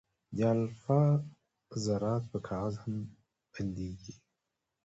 د الفا ذرات په کاغذ هم بندېږي.